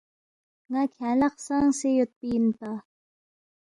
ن٘ا کھیانگ لہ خسنگسے یودپی اِنپا